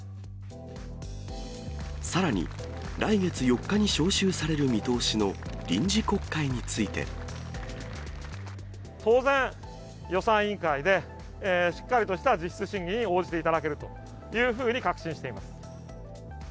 さらに、来月４日に召集される見通しの臨時国会について。当然、予算委員会で、しっかりとした実質審議に応じていただけると確信しています。